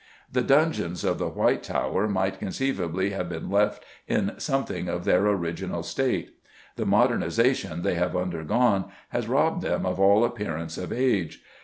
The dungeons of the White Tower might conceivably have been left in something of their original state. The "modernisation" they have undergone has robbed them of all appearance of age.